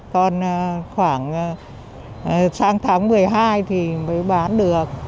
còn khoảng sang tháng một mươi hai thì mới bán được